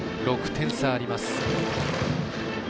６点差あります。